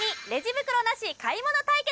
袋なし買い物対決！